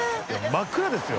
真っ暗ですよ？